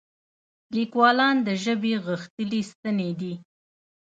لیکوالان د ژبې غښتلي ستني دي.